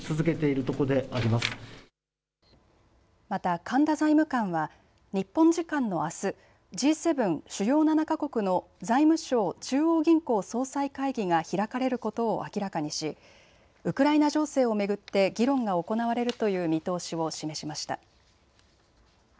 また神田財務官は日本時間のあす、Ｇ７・主要７か国の財務相・中央銀行総裁会議が開かれることを明らかにし、ウクライナ情勢を巡って議論が行われるという見通しを示しました。